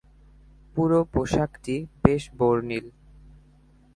পুরো পোশাকটি বেশ বর্ণিল।